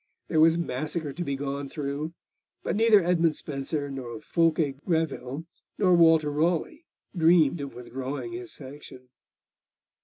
There was massacre to be gone through, but neither Edmund Spenser, nor Fulke Greville, nor Walter Raleigh dreamed of withdrawing his sanction.